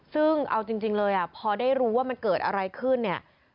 ซึ่งเอาจริงเลยพอได้รู้ว่ามันเกิดอะไรขึ้นเนี่ย